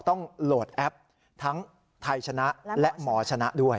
ต้องโหลดแอปทั้งไทยชนะและหมอชนะด้วย